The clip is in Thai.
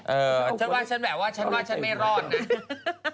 ฉันว่าฉันแบบว่าฉันว่าฉันไม่รอดนะ